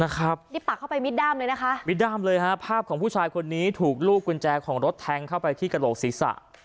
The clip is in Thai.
นี่ปักเข้าไปมิดด้ามเลยนะคะมิดด้ามเลยฮะภาพของผู้ชายคนนี้ถูกลูกกุญแจของรถแทงเข้าไปที่กระโหลกศีรษะ